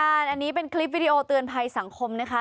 อันนี้เป็นคลิปวิดีโอเตือนภัยสังคมนะคะ